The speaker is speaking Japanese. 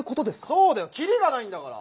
そうだよきりがないんだから。